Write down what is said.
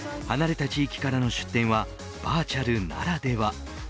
離れた地域からの出展はバーチャルならでは。